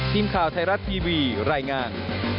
ทีมข่าวไทยรัฐทีวีรายงาน